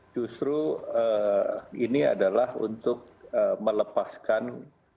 justru ini adalah untuk melepaskan hal hal yang sifatnya bisa tumpang tindih